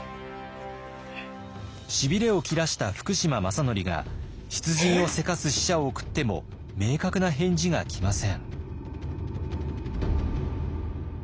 しびれを切らした福島正則が出陣をせかす使者を送っても明確な返事が来ません。